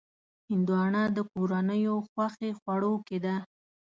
هندوانه د کورنیو خوښې خوړو کې ده.